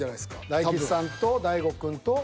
大吉さんと大悟くんと。